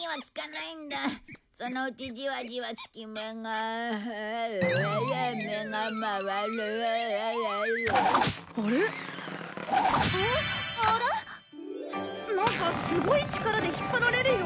なんかすごい力で引っ張られるよ。